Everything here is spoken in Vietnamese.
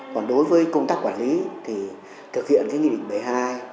còn đối với công tác quản lý thì thực hiện cái nghị định bảy mươi hai